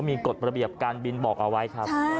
มีกฎระเบียบการบินบอกเอาไว้ครับ